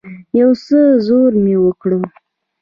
يو څه زور مې وکړ.